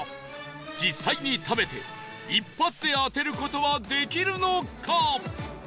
実際に食べて一発で当てる事はできるのか？